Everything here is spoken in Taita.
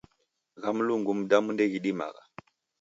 Gha Mlungu mdamu ndedimagha